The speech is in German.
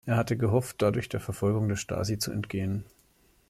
Er hatte gehofft, dadurch der Verfolgung der Stasi zu entgehen.